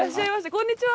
こんにちは